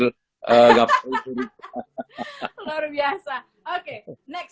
luar biasa oke next selanjutnya berpacu dalam melodi